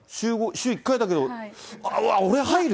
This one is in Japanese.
週１回だけど、あっ、俺入る？